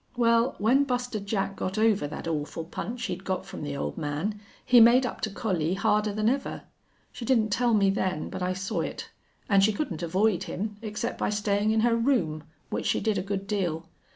Well, when Buster Jack got over that awful punch he'd got from the old man he made up to Collie harder than ever. She didn't tell me then, but I saw it. An' she couldn't avoid him, except by stayin' in her room, which she did a good deal.